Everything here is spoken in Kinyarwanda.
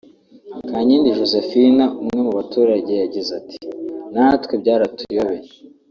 Kankindi Josephine umwe mu baturage yagize ati “Natwe byaratuyobeye